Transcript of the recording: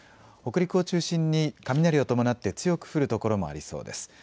北陸を中心に雷を伴って強く降る所もありそうです。